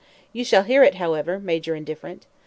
"You shall hear it, however, Major Indifferent.